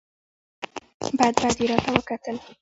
بد بد یې راته وکتل !